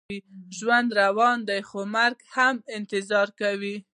ژوند روان دی، خو مرګ هم انتظار کوي.